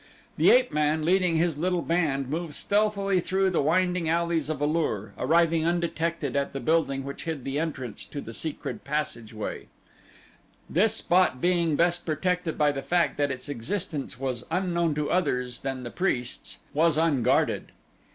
The ape man, leading his little band, moved stealthily through the winding alleys of A lur, arriving undetected at the building which hid the entrance to the secret passageway. This spot being best protected by the fact that its existence was unknown to others than the priests, was unguarded.